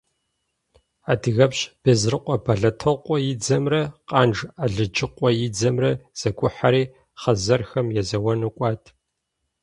Адыгэпщ Безрыкъуэ Бэлэтокъуэ и дзэмрэ Къанж Алыджыкъуэ и дзэмрэ зэгухьэри, хъэзэрхэм езэуэну кӏуат.